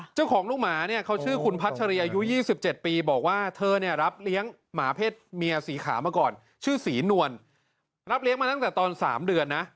เจ้าของลูกหมาเนี่ยเขาชื่อคุณพัชรีอายุ๒๗ปีบอกว่าเธอเนี่ยรับเลี้ยงหมาเพศเมียสีขาวมาก่อนชื่อศรีนวลรับเลี้ยงมาตั้งแต่ตอน๓เดือนนะ